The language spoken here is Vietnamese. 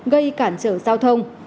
gây cản trở giao thông